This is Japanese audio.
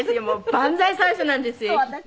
万歳三唱なんですよ